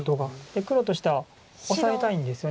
黒としてはオサえたいんですよね。